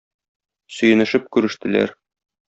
Сөенешеп күрештеләр.